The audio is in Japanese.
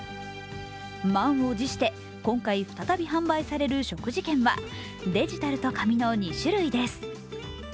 満を持して今回再び販売される食事券はデジタルと紙の２種類です。